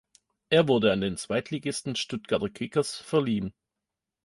Er wurde an den Zweitligisten Stuttgarter Kickers verliehen.